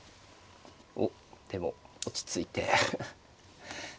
おっでも落ち着いて。